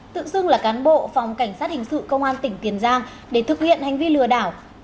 tự xưng là cán bộ phòng cảnh sát hình sự công an tỉnh tiền giang để thực hiện hành vi lừa đảo